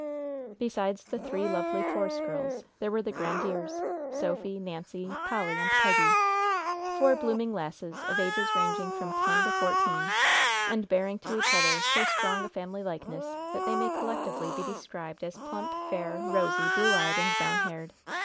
Besides the three lovely Force girls, there were the Grandieres Sophy, Nancy, Polly and Peggy four blooming lasses of ages ranging from ten to fourteen, and bearing to each other so strong a family likeness that they may collectively be described as plump, fair, rosy, blue eyed and brown haired.